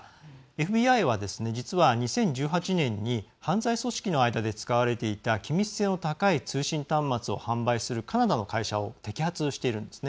ＦＢＩは、実は２０１８年に犯罪組織の間で使われていた機密性の高い通信端末を販売するカナダの会社を摘発しているんです。